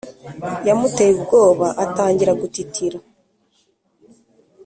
yamuteye ubwoba atangira gutitira